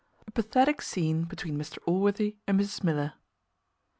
A pathetic scene between Mr Allworthy and Mrs Miller.